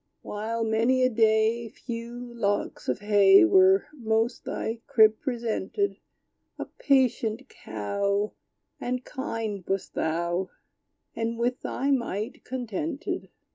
While, many a day. Few locks of hay Were most thy crib presented, A patient Cow, And kind wast thou, And with thy mite contented.